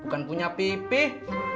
bukan punya pipih